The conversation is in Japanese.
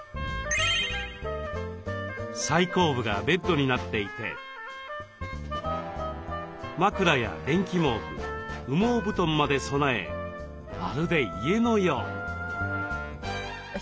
最後部がベッドになっていて枕や電気毛布羽毛布団まで備えまるで家のよう。